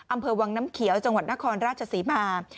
อำเภอวังน้ำเขียวจังหวัดนครราชศรีมา